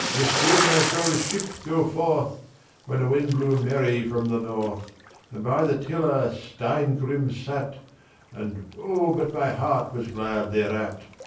Yestreen I saw a ship go forth When the wind blew merry from the north. And by the tiller Steingrim sat, And O, but my heart was glad thereat!